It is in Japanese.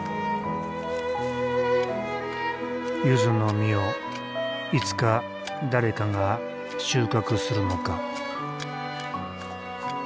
ゆずの実をいつか誰かが収穫するのか。